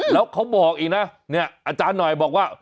แล้วเขาบอกอีกนะเนี่ยอาจารย์หน่อยบอกว่า